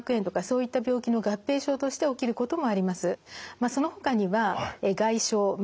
まあそのほかには外傷まあ